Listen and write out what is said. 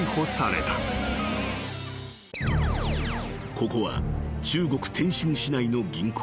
［ここは中国天津市内の］